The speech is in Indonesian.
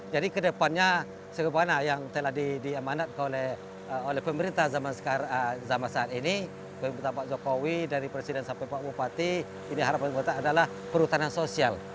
jadi kedepannya sebagaimana yang telah diamanatkan oleh pemerintah zaman saat ini dari presiden sampai pak bupati ini harapan kita adalah perhutanan sosial